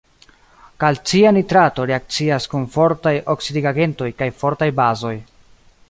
Kalcia nitrato reakcias kun fortaj oksidigagentoj kaj fortaj bazoj.